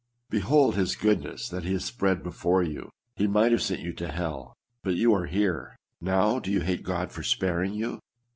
Behold his goodness that he hath spread before you ! He might have sent you to hell ; but you are here. Now, do you hate God for sparing you?